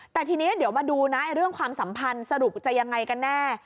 แต่ทีนี้เดี๋ยวมาดูนะเรื่องความสัมพันธ์สรุปจะยังไงกันแน่